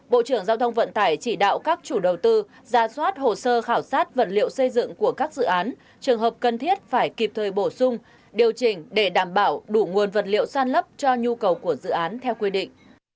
bộ trưởng giao thông vận tải chỉ đạo các chủ đầu tư ra soát hồ sơ khảo sát vật liệu xây dựng của các dự án trường hợp cần thiết phải kịp thời bổ sung điều chỉnh để đảm bảo đủ nguồn vật liệu san lấp cho nhu cầu của dự án theo quy định